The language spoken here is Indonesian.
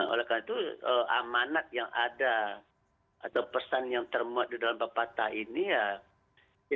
oleh karena itu amanat yang ada atau pesan yang termuat di dalam bapak tah ini ya